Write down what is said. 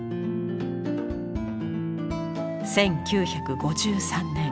１９５３年。